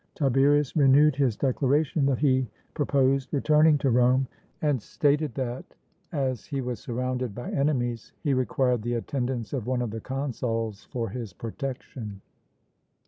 Tiberius renewed his declaration that he proposed returning to Rome, and stated that, as he was surrounded by enemies, he required the attendance of one of the consuls for his protection.